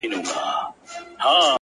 قربان د ډار له کيفيته چي رسوا يې کړم؛